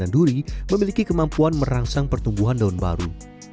dan duri memiliki kemampuan merangsang pertumbuhan daun baru